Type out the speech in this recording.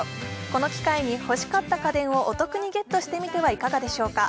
この機会に欲しかった家電をお得にゲットしてみてはいかがでしょうか。